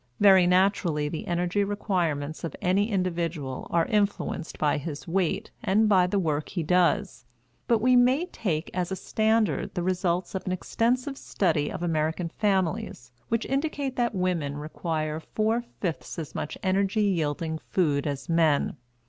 Very naturally the energy requirements of any individual are influenced by his weight and by the work he does. But we may take as a standard the results of an extensive study of American families which indicate that women require four fifths as much energy yielding food as men.